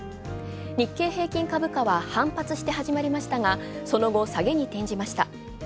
日経平均株価は反発して始まりましたが、その後、下げに転じました。